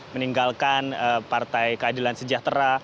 meninggalkan partai keadilan sejahtera